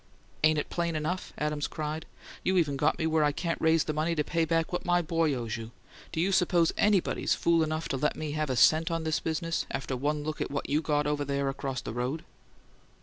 "Ain't it plain enough?" Adams cried. "You even got me where I can't raise the money to pay back what my boy owes you! Do you suppose anybody's fool enough to let me have a cent on this business after one look at what you got over there across the road?"